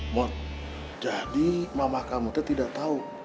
mod jadi mama kamu tuh tidak tau